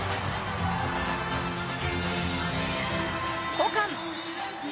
交換。